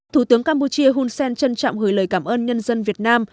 thủ tướng campuchia hun sen trân trọng gửi lời cảm ơn nhân dân việt nam